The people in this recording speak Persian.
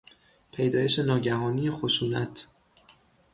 پیدایش ناگهانی خشونت